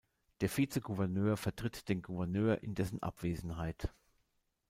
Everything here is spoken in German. Der Vizegouverneur vertritt den Gouverneur in dessen Abwesenheit.